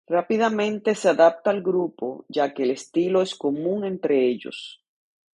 Rápidamente se adapta al grupo, ya que el estilo es común entre ellos.